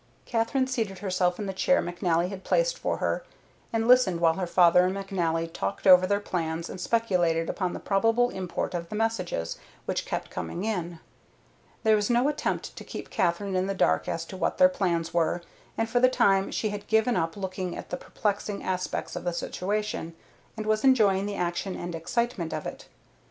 Katherine seated herself in the chair McNally had placed for her, and listened while her father and McNally talked over their plans and speculated upon the probable import of the messages which kept coming in. There was no attempt to keep Katherine in the dark as to what their plans were, and for the time she had given up looking at the perplexing aspects of the situation, and was enjoying the action and excitement of it.